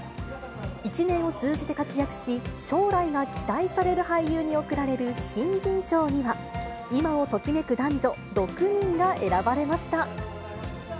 １年を通じて活躍し、将来が期待される俳優に贈られる新人賞には、今をときめく男女６人が選ばれました。